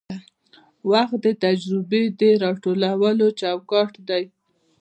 وخت د تجربې د راټولولو چوکاټ دی.